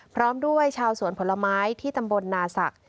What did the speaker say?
พร้อมด้วยชาวสวนผลไม้ที่ตำบลนาศักดิ